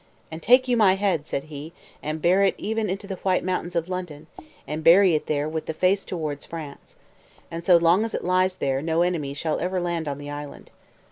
"And take you my head," said he, "and bear it even unto the White Mount in London, and bury it there with the face towards France. And so long as it lies there, no enemy shall ever land on the island."